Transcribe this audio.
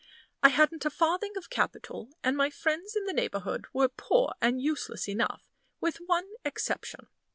I hadn't a farthing of capital, and my friends in the neighborhood were poor and useless enough, with one exception.